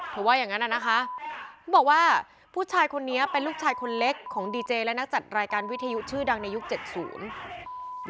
ว่าอย่างงั้นอ่ะนะคะเขาบอกว่าผู้ชายคนนี้เป็นลูกชายคนเล็กของดีเจและนักจัดรายการวิทยุชื่อดังในยุคเจ็ดศูนย์